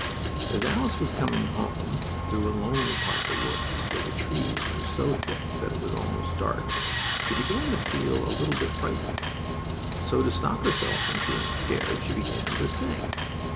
As Alice was coming home, through a lonely part of the woods, where the trees were so thick that it was almost dark, she began to feel a little bit frightened. So, to stop herself from feeling scared she began to sing.